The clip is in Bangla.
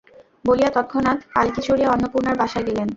বলিয়া তৎক্ষণাৎ পালকি চড়িয়া অন্নপূর্ণার বাসায় গেলেন।